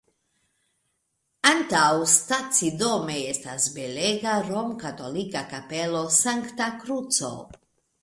Antaŭstacidome estas belega romkatolika Kapelo Sankta Kruco.